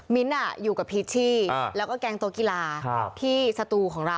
อยู่กับพีชชี่แล้วก็แกงโต๊ะกีฬาที่สตูของเรา